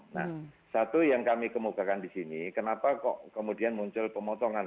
nah satu yang kami kemukakan di sini kenapa kok kemudian muncul pemotongan